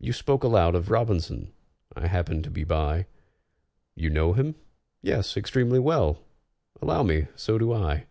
You spoke aloud of ROBINSON—I happened to be by. You know him?" "Yes, extremely well." "Allow me, so do I."